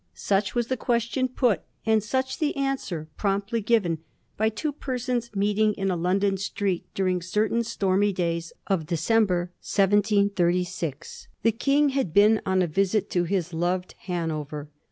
Such was the question put, and such the answer promptly given, by two persons meeting in a London street during certain stormy days of Decem ber, 1736. The King had been on a visit to his loved Hanover.